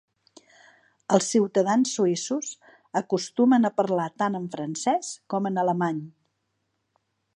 Els ciutadans suïssos acostumen a parlar tant en francès com en alemany.